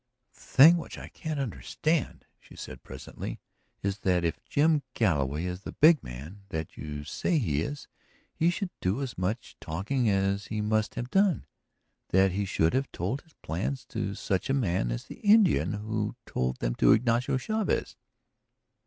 "The thing which I can't understand," she said presently, "is that if Jim Galloway is the 'big man' that you say he is he should do as much talking as he must have done; that he should have told his plans to such a man as the Indian who told them to Ignacio Chavez."